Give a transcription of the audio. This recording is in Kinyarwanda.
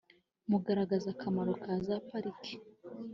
mugaragaza akamaro ka za pariki